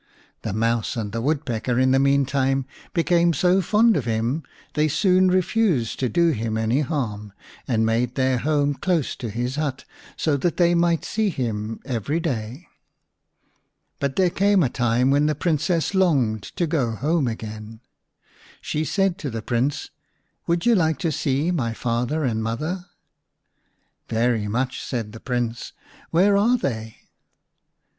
The Mouse and the Woodpecker in the meantime became so fond of him they soon refused to do him any harm, and made their home close to his hut, so that they might see him every day. But there came a time when the Princess longed to go home again. She said to the Prince, " Would you like to see my father and mother ?"" Very much," said the Prince. " Where are they